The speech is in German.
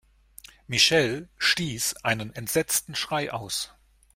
Michelle stieß einen entsetzten Schrei aus.